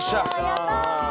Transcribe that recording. やったー！